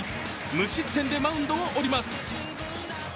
無失点でマウンドを降ります。